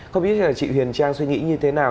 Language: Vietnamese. không biết là chị huyền trang suy nghĩ như thế nào